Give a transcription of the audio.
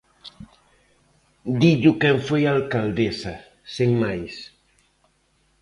Dillo quen foi alcaldesa, sen máis.